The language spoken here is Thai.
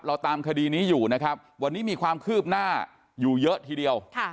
เราตามคดีนี้อยู่นะครับวันนี้มีความคืบหน้าอยู่เยอะทีเดียว